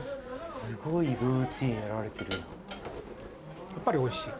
すごいルーティンやられてるおいしい？